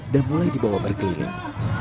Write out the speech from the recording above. dan mulai dibawa berkeliling